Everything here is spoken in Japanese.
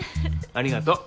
ありがとう。